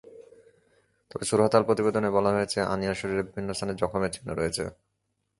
তবে সুরতহাল প্রতিবেদনে বলা হয়েছে, আনিয়ার শরীরের বিভিন্ন স্থানে জখমের চিহ্ন রয়েছে।